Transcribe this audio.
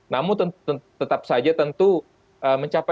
namun tetap saja tentu mencapai